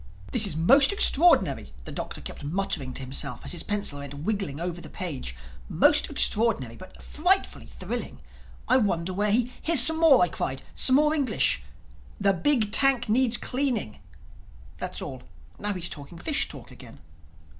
"This is most extraordinary," the Doctor kept muttering to himself as his pencil went wiggling over the page—"Most extraordinary—but frightfully thrilling. I wonder where he—" "Here's some more," I cried—"some more English.... 'The big tank needs cleaning'.... That's all. Now he's talking fish talk again."